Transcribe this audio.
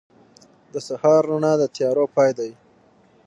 • د سهار رڼا د تیارو پای دی.